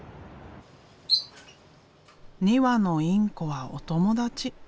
２羽のインコはお友達。